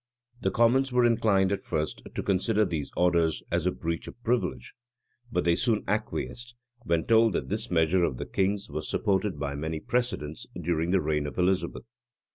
The commons were inclined, at first, to consider these orders as a breach of privilege; but they soon acquiesced, when told that this measure of the king's was supported by many precedents during the reign of Elizabeth.